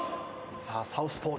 さあサウスポー。